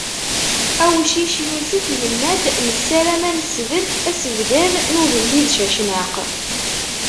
Awcic Yusef, yenna-d: "Nessaram ad nesbedd asebddad n ugellid Cacnaq."